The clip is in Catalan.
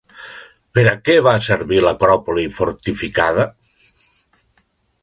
Per a què va servir l'Acròpoli fortificada?